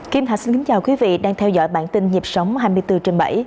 kim thạch xin kính chào quý vị đang theo dõi bản tin nhịp sống hai mươi bốn trên bảy